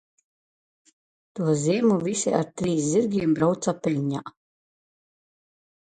To ziemu visi, ar trīs zirgiem, braucām peļņā.